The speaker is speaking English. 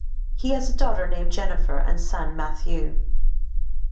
He has a daughter named Jennifer and son Mathieu.